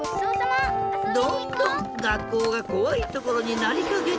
どんどんがっこうがこわいところになりかけていた。